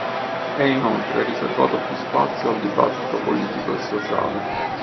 È inoltre riservato più spazio al dibattito politico e sociale.